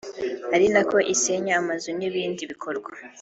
ari nako isenya amazu n’ibindi bikorwa